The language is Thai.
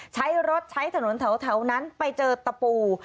ใช้รถใช้ถนนแถวนั้นไปเจอตะปู